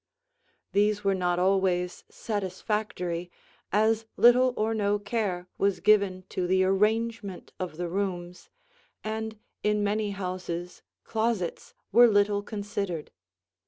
These were not always satisfactory, as little or no care was given to the arrangement of the rooms, and in many houses closets were little considered.